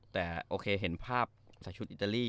แต่โอเคเห็นภาพใส่ชุดอิตาลี